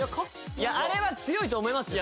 いやあれは強いと思いますよ